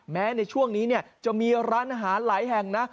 แม้ในช่วงนี้จะมีร้านอาหารหลายแห่งนะ